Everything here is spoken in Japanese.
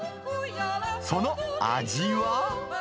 その味は？